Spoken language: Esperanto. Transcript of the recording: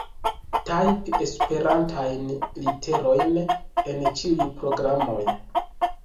Tajpi Esperantajn literojn en ĉiuj programoj.